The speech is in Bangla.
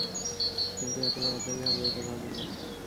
কিন্তু এত তারাতাড়ি হবে এটা ভাবিনি।